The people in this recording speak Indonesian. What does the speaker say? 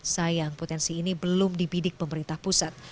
sayang potensi ini belum dibidik pemerintah pusat